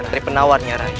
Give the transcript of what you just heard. dari penawarnya rai